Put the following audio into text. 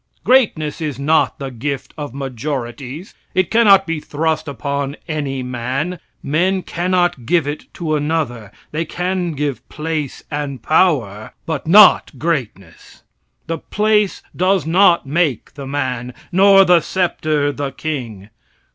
Greatness is not the gift of majorities; it cannot be thrust upon any man; men cannot give it to another; they can give place and power, but not greatness. The place does not make the man, nor the sceptre the king.